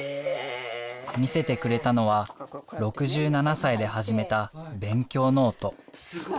見せてくれたのは６７歳で始めた勉強ノート。